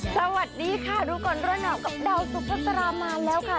สวัสดีค่ะดูก่อนร่วมกับดาวสุขศรมาแล้วค่ะ